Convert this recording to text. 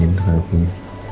ini harus saya pecahinin